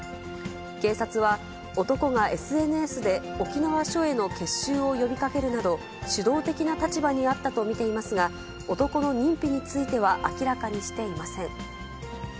警察は、男がＳＮＳで沖縄署への結集を呼びかけるなど、主導的な立場にあったと見ていますが、男の認否については明らかにしていません。